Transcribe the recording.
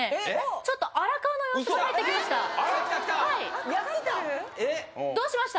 ちょっと荒川の様子が入ってきましたやってた？